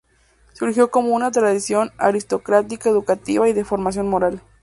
Surgió como una tradición aristocrática educativa y de formación moral.